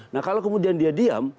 nah kalau kemudian dia diam